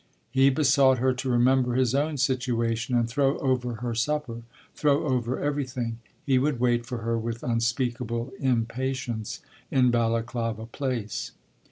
He besought her to remember his own situation and throw over her supper, throw over everything. He would wait for her with unspeakable impatience in Balaklava Place.